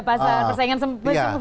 pasar persaingan semuanya